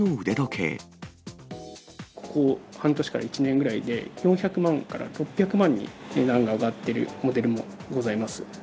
ここ半年から１年ぐらいで、４００万から６００万に、値段が上がってるモデルもございます。